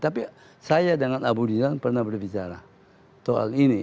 tapi saya dengan abu dinan pernah berbicara soal ini